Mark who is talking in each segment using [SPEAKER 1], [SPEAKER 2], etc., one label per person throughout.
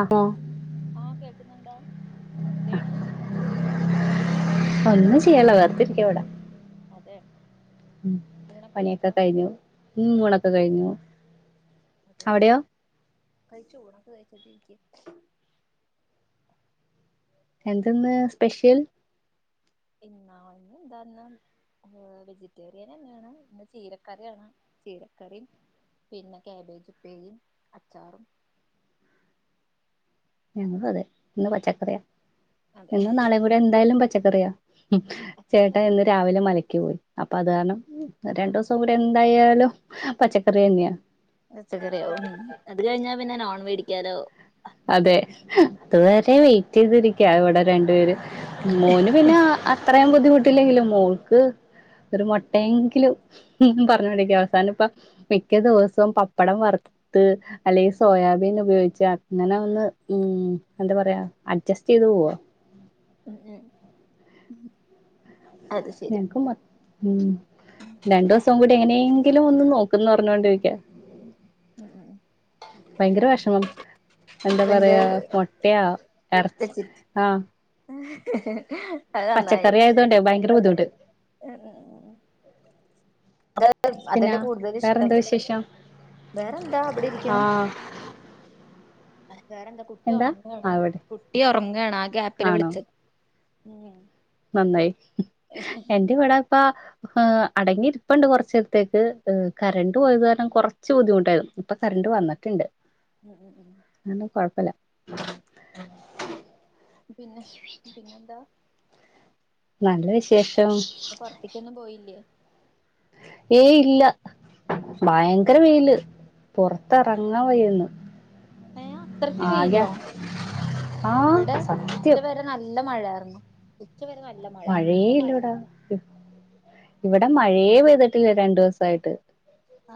[SPEAKER 1] അഹോ
[SPEAKER 2] ആഹ് കേക്കുന്നുണ്ടോ എന്തെചെയുണു
[SPEAKER 1] ഒന്നും ചെയ്യൺല്ല വെർത്തെരിക്കവിടെ
[SPEAKER 2] അതെ
[SPEAKER 1] ഉം
[SPEAKER 2] ഊണൊക്കെ
[SPEAKER 1] പണിയൊക്കെ
[SPEAKER 2] കഴിച്ചോ
[SPEAKER 1] കൈഞ്ഞു. ഉം ഊണൊക്കെ കൈഞ്ഞു.
[SPEAKER 2] അതെ ഉം അത്കഴിച്ചേ ഊണോക്കെ കഴിച്ചോണ്ടിരിക്ക
[SPEAKER 1] എന്തെന്ന് സ്പെഷ്യൽ
[SPEAKER 2] ഇന്നാന്ന് എന്താന്ന് വെജിറ്റേറിയ നെന്നേണ് ഇന്ന് ചീരക്കറ്യാണ് ചീരക്കറി പിന്നെ കേബേജ്പ്പേരീം അച്ചാറും
[SPEAKER 1] ഞങ്ങളും അതെ ഇന്ന് പച്ചക്കറ്യാ
[SPEAKER 2] അതെ
[SPEAKER 1] ഇന്നും നാളേം കൂടെ എന്തായാലും പച്ചക്കറി ചേട്ടായി ഇന്ന് രാവിലെ മലക്ക് പോയി അപ്പ അത് കാരണം രണ്ടു
[SPEAKER 2] ആഹ്
[SPEAKER 1] ദിവസം എന്തായാലും പച്ചക്കറ്യേന്നെ
[SPEAKER 2] പച്ചക്കറിയാവും ഉം അത് കഴിഞ്ഞാ പിന്നെ നോൺ വേടിക്കാലോ
[SPEAKER 1] അതെ അതുവരെ വെയ്റ്റീതിരിക്ക്യാ ഇവടെ രണ്ടുപേരും മോന് പിന്നാ അത്രേം ബുദ്ധിമുട്ടില്ലെങ്കിലും മോൾക്ക് ഒരു മോട്ടേങ്കിലും പർഞ്ഞോണ്ടിരിക്കും അവസാന പ്പ മിക്ക ദിവസോം പപ്പടം വർത്ത് അല്ലെങ്കിൽ സോയാബീൻ ഉപയോഗിച്ച് ഇങ്ങനെ ഒന്ന് ഉം എന്താ പറയാ അഡ്ജസ്റ്റീത് പോവും
[SPEAKER 2] ഉം ഉം ഉം അത് ശെരി
[SPEAKER 1] ഒക്കെ മതി ഉം രണ്ടോസം കൂടി എങ്ങനേങ്കിലും ഒന്ന് നോക്കന്ന് പർഞ്ഞോണ്ട് ഇരിക്ക
[SPEAKER 2] [unintelligible]
[SPEAKER 1] ഭയങ്കര വെഷമം എന്താ
[SPEAKER 2] എന്ത്
[SPEAKER 1] പറയാ മൊട്ടയോ എർച്ച്
[SPEAKER 2] വെച്ചി
[SPEAKER 1] ആഹ്
[SPEAKER 2] അത്
[SPEAKER 1] പച്ചക്കറി ആയതോണ്ട് ഭയങ്കര ബുദ്ധിമുണ്ട്.
[SPEAKER 2] ഏഹ് ഏഹ്
[SPEAKER 1] പിന്നെ
[SPEAKER 2] അതല്ലേ കൂടുതലിഷ്ട്ടം
[SPEAKER 1] വേറെന്താ വിശേഷം
[SPEAKER 2] വേറെന്താ ഇബടെരിക്കണു
[SPEAKER 1] ആഹ്
[SPEAKER 2] വേറെ എന്താ കുട്ടി ഒർങ്ങാണ് കുട്ടി ഒർങ്ങാണ് ആ ഗാപ്പില്
[SPEAKER 1] ആണോ
[SPEAKER 2] വിളിച്ചത് ഉം
[SPEAKER 1] നന്നായി എന്റെ വടെ പ്പ അടങ്ങിരിപ്പ്ണ്ട് കൊർച്ച് നേരത്തേക്ക് കരന്റ് പോയത് കാരണം കൊർച്ച് ബുദ്ധിമുട്ടായിരുന്നു ഇപ്പൊ കരന്റ് വന്ന്ട്ട്ണ്ട്
[SPEAKER 2] ഉം ഉം ഉം
[SPEAKER 1] അതൊന്നും കൊഴപ്പല്ല
[SPEAKER 2] പിന്നെ പിന്നെന്താ
[SPEAKER 1] നല്ല വിശേഷം
[SPEAKER 2] പൊർത്തിക്കൊന്നും പോയില്ലേ
[SPEAKER 1] ഏയ് ഇല്ല ഭയങ്കര വെയ്ല് പൊർത്ത് എറങ്ങാൻ വയ്യന്ന്
[SPEAKER 2] ഏ അത്രക്ക്
[SPEAKER 1] ആകാ
[SPEAKER 2] വെയിലോ
[SPEAKER 1] ആഹ്
[SPEAKER 2] ഇവിടെ
[SPEAKER 1] സത്യം
[SPEAKER 2] ഉച്ചവരെ നല്ല മഴാർന്നു ഉച്ച വരെ നല്ല മഴ
[SPEAKER 1] മഴയേ
[SPEAKER 2] ഇപ്പൊ മഴ നോ
[SPEAKER 1] ഇല്ലടാ ഇവിടെ മഴയെ പെയ്തിട്ടില്ല രണ്ടു ദിവസായിട്ട്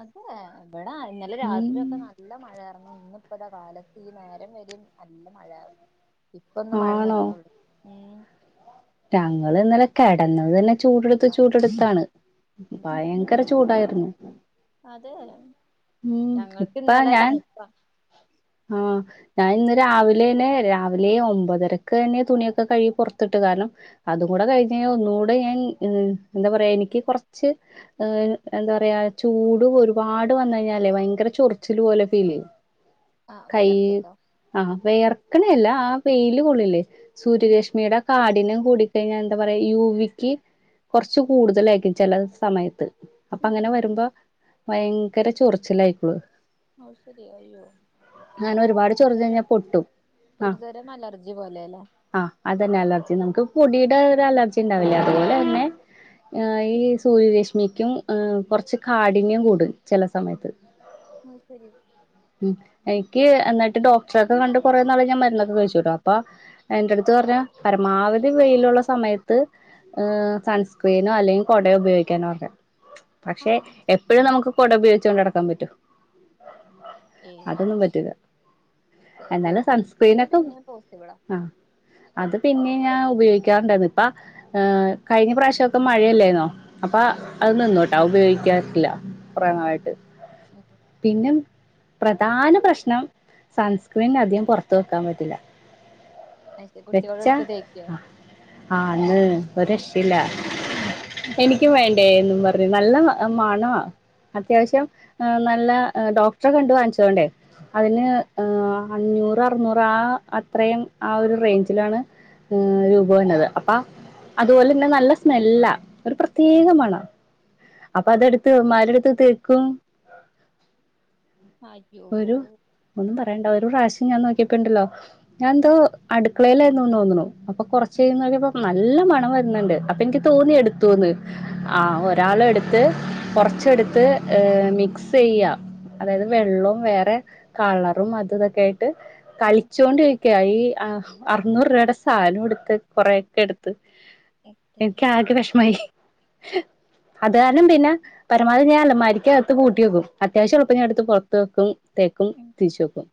[SPEAKER 2] അതെ ഇവിടാ ഇന്നലെ
[SPEAKER 1] ഉം
[SPEAKER 2] രാത്രി ഒക്കെ നല്ല നല്ല മഴായിരുന്നു ഇന്നിപ്പതാ കാലത്ത് ഈ നേരം വരീം നല്ല മഴായിരുന്നു ഇപ്പൊന്ന് മഴ
[SPEAKER 1] ആണോ
[SPEAKER 2] നിന്നൊള്ളൂ ഉം
[SPEAKER 1] ഞങ്ങള് ഇന്നലെ കിടന്നത് തന്നെ ചൂടെടുത്ത് ചൂടെടുത്താണ്
[SPEAKER 2] ഉം ഉം
[SPEAKER 1] ഭയങ്കര ചൂടായിരുന്നു
[SPEAKER 2] അതെ
[SPEAKER 1] ഉം
[SPEAKER 2] ഞങ്ങൾക്ക്
[SPEAKER 1] ഇപ്പ
[SPEAKER 2] ഇന്നലെ
[SPEAKER 1] ഞാൻ
[SPEAKER 2] തണുപ്പ
[SPEAKER 1] ആഹ് ഞാൻ ഇന്ന് രാവിലെ തന്നെ രാവിലെ ഒമ്പതരക്ക തന്നെ തുണിയൊക്കെ കഴുകി പുറത്തിട്ട് കാരണം അതും കൂടെ കഴിഞ് ഒന്നുകൂടെ ഞാൻ എന്താ പറയാ എനിക്ക് കുറച്ച് ഏഹ് എന്താ പറയാ ചൂട് ഒരുപാട് വന്ന് കഴിഞ്ഞാലേ ഭയങ്കര ചൊറിച്ചില് പോലെ ഫീല് ചെയ്യും
[SPEAKER 2] ആ
[SPEAKER 1] അ കൈ
[SPEAKER 2] വയർത്തിട്ടോ
[SPEAKER 1] ആഹ് വെയക്കണല്ല ആ വെയില് കൊള്ളില്ലേ
[SPEAKER 2] ഉം
[SPEAKER 1] സൂര്യരശ്മിയുടെ കാടിനും കൂടിക്കഴിഞ്ഞാൽ എന്താ പറയാ യുവിക്ക് കൊറച്ച് കൂടുതലായിരിക്കും ചില സമയത്ത്
[SPEAKER 2] ഉം
[SPEAKER 1] അപ്പങ്ങനെ
[SPEAKER 2] ഉം
[SPEAKER 1] വരുമ്പോ ഭയങ്കര ചൊറച്ചിലായിക്കൊളു
[SPEAKER 2] അഹ് ശരി അയ്യോ
[SPEAKER 1] ഒരുപാട്
[SPEAKER 2] വെറുതെ
[SPEAKER 1] ചൊറിഞ്ഞ്
[SPEAKER 2] ഒരു
[SPEAKER 1] കഴിഞ്ഞാൽ പൊട്ടും ആഹ്
[SPEAKER 2] ഒരുതരം അലർജി പോലെല്ലേ
[SPEAKER 1] ആഹ് അതന്നെ അലർജി നമുക്ക് പൊടിയുടെ ഒരു അലർജി ണ്ടാവില്ലേ അതുപോലെ തന്നെ ഈ സൂര്യരശ്മിക്കും ഏഹ് കുറച്ച് കാഠിന്യം കൂടും ചില സമയത്ത്
[SPEAKER 2] അത് ശരി
[SPEAKER 1] എനിക്ക് എന്നട്ട് ഡോക്ടറെക്കെ കണ്ട് കുറേ നാള് ഞാൻ മരുന്നൊക്കെ കഴിച്ചുട്ടോ അപ്പൊ എന്റടുത്ത് പറഞ്ഞു പരമാവധി വെയിലുള്ള സമയത്ത് ഏഹ് സൺസ്ക്രീനോ അല്ലെങ്കിൽ കുടയോ ഉപയോഗിക്കാന പറഞ്ഞെ
[SPEAKER 2] ആ
[SPEAKER 1] പക്ഷെ
[SPEAKER 2] ആ
[SPEAKER 1] എപ്പോഴും നമുക്ക് കുട ഉപയോഗിച്ച് കൊണ്ട് നടക്കാൻ പറ്റുവോ
[SPEAKER 2] ഏയ് അത് പറ്റില്ല
[SPEAKER 1] പറ്റൂല
[SPEAKER 2] ഇത്
[SPEAKER 1] എന്നാലും
[SPEAKER 2] സൺസ്ക്രീന്
[SPEAKER 1] സൺസ്ക്രീനൊക്കെ
[SPEAKER 2] പിന്നെ പോസ്സിബിള
[SPEAKER 1] ആഹ് അത് പിന്നെ ഞാൻ ഉപയോഗിക്കാറുണ്ടായിരുന്ന് ഇപ്പ കഴിഞ്ഞ പ്രാവശ്യമൊക്കെ മഴയല്ലേന്നോ അപ്പ
[SPEAKER 2] ഉം
[SPEAKER 1] അത് നിന്നോട്ടാ ഉപയോഗിക്കാറില്ല കുറെ
[SPEAKER 2] ഉം
[SPEAKER 1] നാളായിട്ട്
[SPEAKER 2] ഉം
[SPEAKER 1] പിന്നെ പ്രധാന പ്രശ്നം സൺസ്ക്രീൻ അധികം പുറത്ത് വെക്കാൻ പറ്റില്ല
[SPEAKER 2] അത് ശരി കുട്ടിയോള്
[SPEAKER 1] വെച്ചആ
[SPEAKER 2] എടുത്ത് തേക്കോ
[SPEAKER 1] ഹ് ആന്ന് ഒരെക്ഷല്ല എനിക്കും വ പറ നല്ല മണ അത്യാവശ്യം
[SPEAKER 2] ഉം
[SPEAKER 1] നല്ല ഡോക്ടറെ കണ്ട വാങ്ങി ണ്ടേ അതിന് അഞ്ഞൂറ് അറുന്നൂറ് ആ അത്രയും ആ ഒരു റേഞ്ചിലാണ്
[SPEAKER 2] ഉം ഉം
[SPEAKER 1] രൂപ വരുന്നത് അപ്പ അതുപോലെ തന്നെ നല്ല സ്മെല്ലാ ഒരു പ്രത്യേക
[SPEAKER 2] ഉം
[SPEAKER 1] മണം അപ്പൊ അതെടുത്ത് അവൻമരുടുത്ത് തേക്കും
[SPEAKER 2] അയോ
[SPEAKER 1] ഒരു ഒന്നും പറയേണ്ട ഒരു പ്രാവശ്യം ഞാൻ നോക്കിയപ്പോുണ്ടല്ലോ ഞാൻ
[SPEAKER 2] ഉം
[SPEAKER 1] എന്തോ അടുക്കളയിലായിരുന്നുന്ന് തോന്നണു അപ്പൊ കൊറച്ച
[SPEAKER 2] ഉം
[SPEAKER 1] കഴിഞ്ഞു നോക്കിയപ്പോ നല്ല മണം വരുന്നുണ്ട് അപ്പൊ എനിക്ക് തോന്നി എടുത്തുന്ന് ആ
[SPEAKER 2] ഉം
[SPEAKER 1] ഒരാള എടുത്ത് കൊറച്ചെടുത്ത് മിക്സ് ചെയ്യാ അതായത്
[SPEAKER 2] ഉം
[SPEAKER 1] വെള്ളവും വേറെ കളറും അത് ഇതൊക്കെ ആയിട്ട്
[SPEAKER 2] ഉം
[SPEAKER 1] കളിച്ചോണ്ടിരിക്ക ക്കായി അറുന്നൂറ് രൂപയുടെ സാധം എടുത്ത് കൊറെക്കെ എടുത്ത് എനിക്ക് ആകെ
[SPEAKER 2] ദൈവമേ
[SPEAKER 1] വിഷമായി അത് കാരണം പിന്നെ പരമാവധി ഞാൻ അലമാരക്കകത്ത് പൂട്ടി വെക്കും അത്യാവശ്യം ഉള്ളപ്പോൾ ഞാൻ ഇടുത്ത് പുറത്ത് വെക്കും തേക്കും
[SPEAKER 2] ഉം
[SPEAKER 1] പിശുക്കും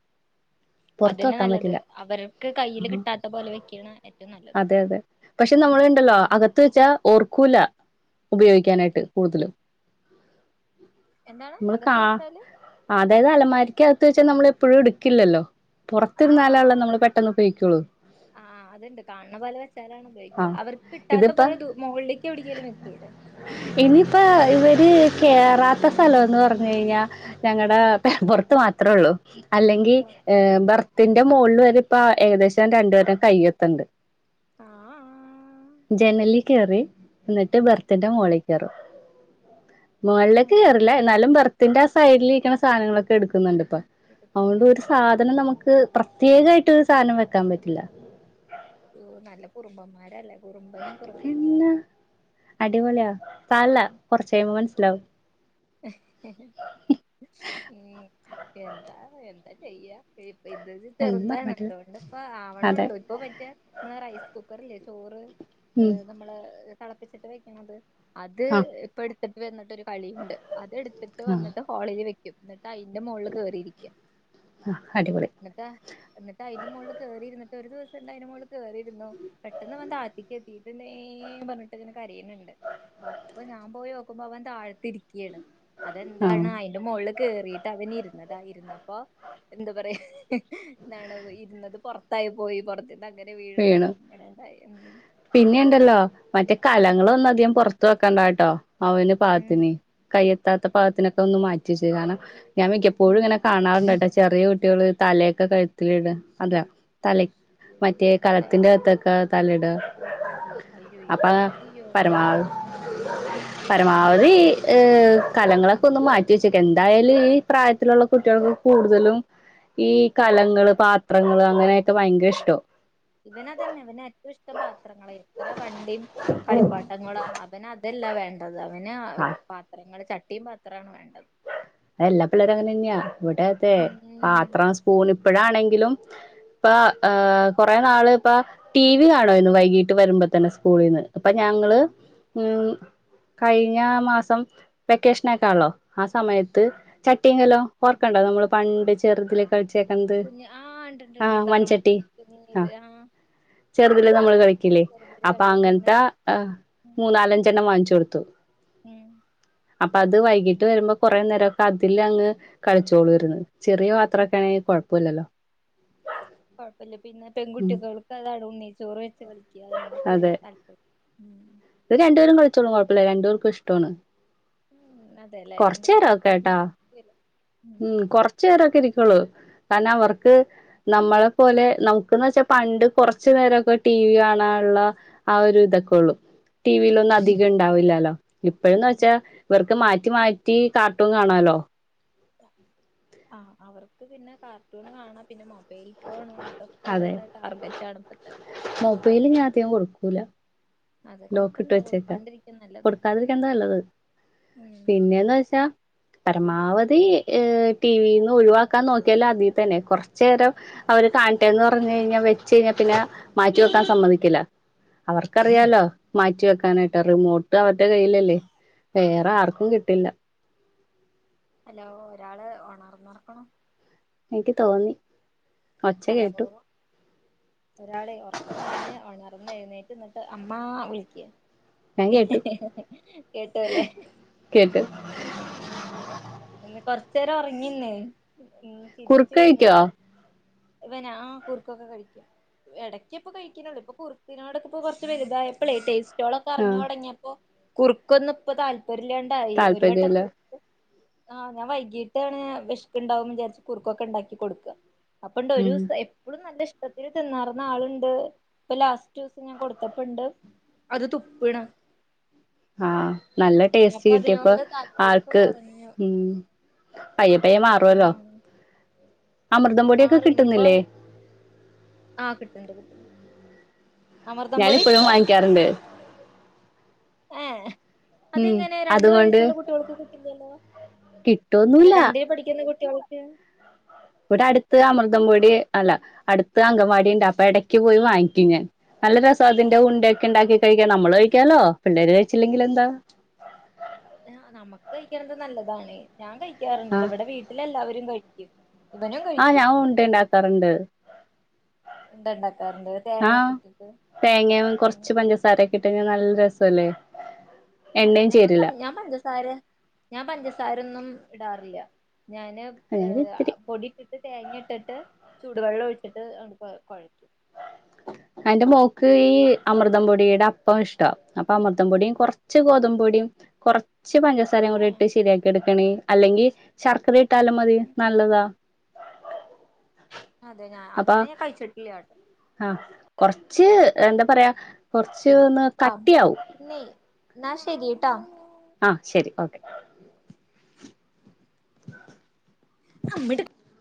[SPEAKER 2] അതന്നെ നല്ലത് അവർക്ക് കയ്യില് കിട്ടാത്ത പോലെ വെക്കാണ്
[SPEAKER 1] അതെ അതെ പക്ഷെ നമ്മൾ ഉണ്ടല്ലോ അക ത്ത് വച്ചാ ഓർക്കൂല ഉപയോഗിക്കാനായിട്ട് കൂടുതലും..
[SPEAKER 2] എന്താണ്
[SPEAKER 1] നമ്മൾ കാ
[SPEAKER 2] അകത്ത് വെച്ചാല്
[SPEAKER 1] ആ അതായത് അലമാരിക്കകത്ത് വെച്ചാൽ നമ്മൾ എപ്പോഴും എടുക്കില്ലല്ലോ. പുറത്തിരുന്നാലല്ലേ നമ്മൾ പെട്ടെന്ന് ഉപയോഗിക്കുള്ളൂ.
[SPEAKER 2] ആഹ് അത്ണ്ട് കാണണ പോലെവെച്ചാലാണ്
[SPEAKER 1] ആ
[SPEAKER 2] ഉപയോഗിക്കുള്ളൂ അവർക്ക് കിട്ടാത്ത
[SPEAKER 1] ഇതിപ്പ
[SPEAKER 2] പോലെ മുകളിലേക്ക് എവിടെക്കെങ്കിലും വെച്ചൂടെ..
[SPEAKER 1] ഇനിയിപ്പോ ഇവര് കേയറാത്ത സ്ഥലംന്ന് പറഞ്ഞു കഴിഞ്ഞാ, ഞങ്ങളടെ പെരപുറത്ത് മാത്രേ ഉള്ളൂ. അല്ലെങ്കിൽ ബെർത്തിന്റെ മുകളിൽ വരെ ഇപ്പ ഏകദേശം രണ്ടുപേരം കയ്യത്തണ്ട്.
[SPEAKER 2] ആഹ
[SPEAKER 1] ജനലി കയറി എന്നിട്ട്
[SPEAKER 2] ഉം
[SPEAKER 1] ബർത്തിന്റെ മോളിൽ കയറും. മുകളിലേക്ക് കേറില്ല എന്നാലും ബർത്തിന്റെ ആ സൈഡിലിരിക്കണ സാധനങ്ങളൊക്കെ എടുക്കുന്നുണ്ട് ഇപ്പൊ.. അതുകൊണ്ട് ഒരു
[SPEAKER 2] എടുക്കുന്നുണ്ട്
[SPEAKER 1] സാധനം നമുക്ക് പ്രത്യേക ആയിട്ട് ഒരു സാധനം വെക്കാൻ പറ്റില്ല.
[SPEAKER 2] യൊ നല്ല കുറുമ്പന്മാരല്ലേ കുറുമ്പനും കുറുമ്പത്തി..
[SPEAKER 1] അടിപൊളെയ താല്ല കുറച്ച് കഴിയുമ്പോ മനസ്സിലാവും.
[SPEAKER 2] ഉ എന്താണ് എന്താ ചെയ്യാ? ഇപ്പതൊരു
[SPEAKER 1] ഒന്നും പറയാൻ
[SPEAKER 2] ചെറുതാണ്
[SPEAKER 1] പറ്റില്ല
[SPEAKER 2] അതോണ്ട്പ്പ
[SPEAKER 1] അതെ
[SPEAKER 2] ആവണള്ളൂ ഇപ്പൊ മറ്റേ നമ്മളെ റൈസ് കുക്കർ ഇല്ലേ ചോറ്
[SPEAKER 1] ഉം
[SPEAKER 2] നമ്മള് തിളപ്പിച്ചിട്ട് വെക്കണത്. അത്
[SPEAKER 1] ആഹ്
[SPEAKER 2] ഇപ്പ എടുത്തിട്ട് വന്നിട്ടൊരു കളി.. അത് എടുത്തിട്ട്
[SPEAKER 1] ആഹ്
[SPEAKER 2] വന്നിട്ട് ഹോളില് വെക്കും എന്നിട്ട് അയിന്റെ മുകളിൽ കേറിയിരിക്കാ..
[SPEAKER 1] ആഹ് അടിപൊളി
[SPEAKER 2] എന്നിട്ടാ എന്നിട്ട് അതിന്റെ മോളിൽ കേറിയിരിന്നിട്ട് ഒരു ദിവസംണ്ട് അതിന്റെ മോളിൽ കേറിയിരുന്നു. പെട്ടെന്ന് അവൻ താത്തിക്ക് എത്തിട്ട്ണ്ടെ മേ പറഞ്ഞിട്ട് ഇങ്ങന കരയ്ണ്ണ്ട്. അപ്പൊ ഞാൻ പോയി നോക്കുമ്പോ അവൻ താഴത്തിരിക്കാണ്
[SPEAKER 1] ആഹ്
[SPEAKER 2] അതെന്താണ് ആയി ന്റെ മോള്ള് കേറിട്ട് അവന് ഇരുന്നതാ ഇരുന്നപ്പൊ എന്താ പറയാ ന്താണ് ഇരുന്നത് പൊറത്തായി പോയി പൊറത്തി
[SPEAKER 1] വീണ്
[SPEAKER 2] ആ
[SPEAKER 1] പിന്നിണ്ടല്ലോ മറ്റേ
[SPEAKER 2] ഉം
[SPEAKER 1] കലങ്ങളൊന്നധികം പൊറ മുത്തൊക്കണ്ടാട്ടോ അവന്
[SPEAKER 2] ഉം
[SPEAKER 1] പാത്തിന് കയ്യെത്താത്ത പാത്തിനൊക്കെ ഒന്ന് മാറ്റിവച്ച കാണം
[SPEAKER 2] ഉം
[SPEAKER 1] ഞമിക്കപ്പോഴുങ്ങനെ കാണാറുണ്ട് കേട്ടോ ചെറിയ കുട്ടിള് തലയൊക്കെ കഴുത്തിലിടാ അല്ല തല മറ്റേ
[SPEAKER 2] ആ
[SPEAKER 1] കലത്തിന്റെ
[SPEAKER 2] ആ
[SPEAKER 1] അകത്തൊക്കെ തല്ലിട
[SPEAKER 2] അയ്യോ അയ്യോയ്യോ
[SPEAKER 1] അപ്പൊ
[SPEAKER 2] അങ്ങനെ ചെയ്യോ
[SPEAKER 1] പരമാ
[SPEAKER 2] ഉം
[SPEAKER 1] [unintelligible] പരമാവധി കലങ്ങളൊക്കെ ഒന്ന് മാറ്റിവെച്ചേക്ക് എന്തായാലും ഈ പ്രായത്തിലുള്ള കുട്ടികള് കൂടുതലും ഈ കലങ്ങള് പാത്രങ്ങള് അങ്ങനെയൊക്കെ
[SPEAKER 2] പത്രം
[SPEAKER 1] ഭയങ്കര
[SPEAKER 2] അതെ
[SPEAKER 1] ഇഷ്ട
[SPEAKER 2] ഇവനതന്നെ ഇവന ഏറ്റവും ഇഷ്ടംപാത്രങ്ങള എത്ര വണ്ടിയും കളിപ്പാട്ടങ്ങളാ അവന അതല്ല വേണ്ടത് അവനാ
[SPEAKER 1] ആഹ്
[SPEAKER 2] പാത്രങ്ങള് ചട്ടിയും പാത്രാണ് വേണ്ടത്
[SPEAKER 1] അത എല്ലാ പിള്ളേര അങ്ങനെ തന്നെയ ഇവിടെ അതെ
[SPEAKER 2] ഉം
[SPEAKER 1] പാത്രം സ്പൂൺ ഇപ്പഴാണെങ്കിലും ഇപ്പ ആഹ് കുറെ നാള് ഇപ്പ ടി വി കാണുവായിരുന്നു വൈകിട്ട് വരുമ്പോ തന്നെ സ്കൂളീന്ന് അപ്പൊ
[SPEAKER 2] ആ
[SPEAKER 1] ഞാങ്ങള് ഉം കഴിഞ്ഞ മാസം വെക്കേഷനക്കാണല്ലോ ആ സമയ ത്ത് ചട്ടി കലോം ഓർക്കണ്ട നമ്മള് പണ്ട് ചെറുതിലൊ കളിച്ചേക്കന്ത്
[SPEAKER 2] കുഞ്ഞ് ആ
[SPEAKER 1] ആഹ
[SPEAKER 2] ഇണ്ട്ണ്ട്ണ്ട് ആറ്
[SPEAKER 1] മൺചട്ടി
[SPEAKER 2] മണി ഇത്
[SPEAKER 1] ആഹ്
[SPEAKER 2] ആ
[SPEAKER 1] ചെറുതില്
[SPEAKER 2] ഉം
[SPEAKER 1] നമ്മള് കളിക്കില്ലേ
[SPEAKER 2] ചെറുതില്
[SPEAKER 1] അപ്പൊ
[SPEAKER 2] കളിയും
[SPEAKER 1] അങ്ങനത്തെ
[SPEAKER 2] പിന്നെന്താ
[SPEAKER 1] ആഹ്
[SPEAKER 2] ഉം
[SPEAKER 1] മൂന്നാലഞ്ചെണ്ണം വാങ്ങിച്ച് കൊടുത്തു
[SPEAKER 2] ഉം
[SPEAKER 1] അപ്പ അത് വൈകിട്ട് വരുമ്പോ കൊറേ നേരൊക്കെ അതിലങ്ങ് കളിച്ചോളുരുന്ന് ചെറിയ പാത്രൊക്കെ ആണെങ്കി കൊഴപ്പല്ലല്ലോ
[SPEAKER 2] കൊഴപ്പില്ല പിന്നെ
[SPEAKER 1] ഉം
[SPEAKER 2] പെൺകുട്ടികൾക്ക് അതാണ് ഉണ്ണി ചോറ് വെച്ച് കളിക്ക അതിനോടൊക്കെ ഒരു താല്പര്യ ഉം
[SPEAKER 1] ഇവര് രണ്ടുപേരും കളിച്ചോളും കൊഴപ്പില്ല രണ്ടു പേർക്കും ഇഷ്ടാണ്.
[SPEAKER 2] ഉം അതെല്ലേ രണ്ടു പേരും ഒപ്പ
[SPEAKER 1] കൊറച്ചേരൊക്കെ
[SPEAKER 2] ഇരുന്ന് കളിക്കുലേ
[SPEAKER 1] ച്ചിരൊക്കെ ഇരിക്കുള്ളൂ കാരണ അവർക്ക് നമ്മളെ പോലെ നമുക്ക്ന്ന് വച്ചാ പണ്ട് കൊറച്ചു നേരമൊക്കെ ടി വി കാണാനുള്ള ആ ഒരു ഇതൊക്കെ ഉള്ളു ടിവിലൊന്നും
[SPEAKER 2] ഉം
[SPEAKER 1] അധികം ഇണ്ടാവില്ലല്ലോ ഇപ്പോഴന്ന് വെച്ചാ ഇവർക്ക് മാ റ്റി മാറ്റി കാർട്ടൂൺ കാണാലോ
[SPEAKER 2] ആഹ് അവർക്ക് പിന്നെ കാ ട്ടൂൺ കാണാം പിന്നെ മൊബൈൽ ഫോണ് അതൊക്കെ
[SPEAKER 1] അതെ
[SPEAKER 2] അവരുടെ ടാർഗറ്റാണ് പ്പത്തെ
[SPEAKER 1] മൊബൈല് ഞാൻ അധികം കൊടുക്കൂല
[SPEAKER 2] അത്
[SPEAKER 1] ലോക്ക് ഇട്ട്
[SPEAKER 2] കൊടുക്കണ്ട
[SPEAKER 1] വെച്ചേക്കാ
[SPEAKER 2] കൊടുക്കാണ്ടിരിക്കും നല്ലത്
[SPEAKER 1] കൊടുക്കാതിരിക്കന്താ നല്ലത്
[SPEAKER 2] ഉം
[SPEAKER 1] പിന്നെന്ന് വെച്ചാ പരമാവധി ടി വിന്ന് ഒഴിവാക്കാൻ നോക്കിയാല അതി തന്നെ കൊറച്ച് നേരം അവര് കാണട്ടെന്ന് പറഞ്ഞ് കഴിഞ്ഞ വെച്ച് കഴിഞ്ഞാ പിന്നെ മാറ്റി
[SPEAKER 2] ഉം
[SPEAKER 1] വെക്കാൻ സമ്മതിക്കില്ല അവർക്കറിയാലോ മാറ്റി വെക്കാനായിട്ടാ റിമോട്ട് അവരുടെ കയ്യിലല്ലേ വേറെ ആർക്കും കിട്ടില്ല
[SPEAKER 2] ഹലോ ഒരാള് ഓണർന്ന് നറക്കണോ
[SPEAKER 1] എനിക്ക് തോന്നി ഒച്ച
[SPEAKER 2] ഹലോ
[SPEAKER 1] കേട്ടു
[SPEAKER 2] ഒരാളെ ഒറക്കം കഴിഞ്ഞ് ഒണർന്ന് എഴുന്നേറ്റ് ന്നിട്ട് അമ്മ വിളിക്ക
[SPEAKER 1] ഞാൻ കേട്ടു
[SPEAKER 2] കേട്ടുല്ലേ
[SPEAKER 1] കേട്ടു
[SPEAKER 2] ഉം ഇന്ന് കൊറച്ച നേരം ഉറങ്ങിന്ന് ചിരിച്ച്
[SPEAKER 1] കുറുക്ക് കഴിക്കോ
[SPEAKER 2] വരുന്നുണ്ട്. ഇവന ആ കുർക്കൊക്കെ കഴിക്കും. ഇടയ്ക്കപ്പോ കഴിക്കണള്ളൂ. ഇപ്പ കുുിനോടൊക്കെ കുറച്ച് വലുതായപ്പോളേ ടേസ്റ്റ് കുടിളൊക്കെ
[SPEAKER 1] ആ
[SPEAKER 2] അറിഞ്ഞു തുടങ്ങിയപ്പോ കുറുക്കൊന്നും. ഇപ്പൊ താല്പര്യമ ണ്ടായി ഒരു വട്ടം
[SPEAKER 1] താല്പര്യല്ല
[SPEAKER 2] കു ആഹ് ഞാൻ വൈകീട്ട്ണ് വിശ്ക്കു ഉണ്ടാവും വിചാരിച്ച് കുറുക്ക്ക്കെ ഉണ്ടാക്കി കൊടുക്കുക. അപ്പണ്ട് ഒരു
[SPEAKER 1] ഉം
[SPEAKER 2] ദിവസം ഇപ്പോഴും നല്ല ഇഷ്ടത്തിൽ തിന്നാറന്ന ആളുണ്ട് ഇപ്പൊ ലാസ്റ്റ് ദിവസം ഞാൻ കൊടുത്തപ്പുണ്ട്. അത് തുപ്പ്ണ്.
[SPEAKER 1] ആഹ് നല്ല ടേസ്റ്റ്
[SPEAKER 2] അപ്പൊ
[SPEAKER 1] കിട്ടിയപ്പം
[SPEAKER 2] അതിനോട് താല്പര്യൊക്കെ
[SPEAKER 1] ആർക്ക്
[SPEAKER 2] കുറഞ്ഞു
[SPEAKER 1] ഉം പയ്യ പയ്യെ മാറുവല്ലോ?
[SPEAKER 2] ഉം
[SPEAKER 1] അമൃതം പൊടിയൊക്കെ കിട്ടുന്നില്ലേ?
[SPEAKER 2] ആഹ് കിട്ടുന്ന്ണ്ട് കിട്ടുന്ന്ട്.
[SPEAKER 1] ഞാൻപ്പോഴും വാങ്ങിക്കാറുണ്ട്.
[SPEAKER 2] ഏ
[SPEAKER 1] ഉം
[SPEAKER 2] അതെങ്ങനെയ രണ്ട്
[SPEAKER 1] അതുകൊണ്ട്
[SPEAKER 2] വയസ്സുള്ള കുട്ടികൾക്ക് കിട്ടില്ലല്ലോ?
[SPEAKER 1] കിട്ടോ
[SPEAKER 2] അല്ല രണ്ട് പഠിക്കുന്ന കുട്ടികൾക്ക്.
[SPEAKER 1] ഒരു അടുത്ത് അമൃതംപൊടി അല്ല അടുത്ത് അങ്കവാടി ഉണ്ട് അപ്പൊ ഇടക്ക് പോയി വാങ്ങിക്കും ഞാൻ. നല്ല രസം അത്തിന്റെ ഉണ്ട ഒക്കെ ഉണ്ടാക്കി കഴിക്കാൻ നമ്മള് കഴിക്കാലോ പിള്ളേര് കഴിച്ചില്ലെങ്കിൽ എന്താ.
[SPEAKER 2] ആഹ് നമുക്ക് കഴിക്കത് നല്ലതാണ് ഞാൻ കഴിക്കാറുണ്ട് കേട്ടോ
[SPEAKER 1] ആഹ്
[SPEAKER 2] ഇവിടെ വീട്ടില് എല്ലാവരും കഴിക്കും. ഇവനും
[SPEAKER 1] ആഹ്
[SPEAKER 2] കഴിക്കും
[SPEAKER 1] ഞാൻ ഉണ്ടണ്ടാക്കാറുണ്ട്.
[SPEAKER 2] ഉണ്ട ഉണ്ടാക്കാറുണ്ട് തേങ്ങൊക്കെ
[SPEAKER 1] ആഹ്
[SPEAKER 2] ഇട്ടിട്ട്
[SPEAKER 1] തേങ്ങയും കൊറച്ച്
[SPEAKER 2] ഉം.
[SPEAKER 1] പഞ്ച സര ഇട്കഴിഞ്ഞാ നല്ല രസല്ലേ.
[SPEAKER 2] അതെ
[SPEAKER 1] എണ്ണയും
[SPEAKER 2] ഞങ്ങൾ
[SPEAKER 1] ചേരില്ല
[SPEAKER 2] ഞാൻ പഞ്ചസാര ഞാൻ പഞ്ചസാരൊന്നും ഇടാറില്ല. ഞാന് ഏ
[SPEAKER 1] ഞാനൊരിത്തിരി
[SPEAKER 2] പൊടിയിട്ടിട്ട് തേങ്ങ ഇട്ടിട്ട് ചൂടുവെള്ളം ഒഴിച്ചിട്ട് ന കുഴയ്ക.
[SPEAKER 1] എന്റെ മോക്ക് ഈ അമൃതം പൊടിയുടെ അപ്പം ഇഷ്ട അപ്പൊ അമൃതം പൊടിയും കുറച്ച് ഗോതമ്പ് പൊടിയും. കുറച്ച് പഞ് കൂടി ഇട്ട് ശരിയാക്കി എടുക്കണേ അല്ലെങ്കിൽ ശർക്കര ഇട്ടാലും മതി നല്ലതാ
[SPEAKER 2] അതെ ഞാൻ അങ്ങനെ ഞാ കഴിച്ചിട്ടില്ല കേട്ടോ
[SPEAKER 1] ആഹ് കൊറച്ച് എന്താ പറയാ കൊറച്ച് ഒന്ന്
[SPEAKER 2] ആ
[SPEAKER 1] കട്ടിയാവും.
[SPEAKER 2] പിന്നെ ന്ന ശരിട്ടോ
[SPEAKER 1] ആഹ് ശരി ഓക്കെ
[SPEAKER 2] അമ്മിട്